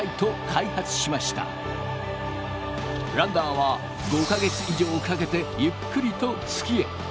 ランダーは５か月以上かけてゆっくりと月へ。